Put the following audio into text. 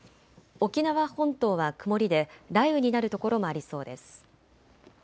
沖縄本島は曇りで雷雨になる所もありそうです。